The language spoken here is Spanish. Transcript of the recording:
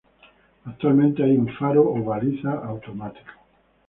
Actualmente hay un faro o baliza automático.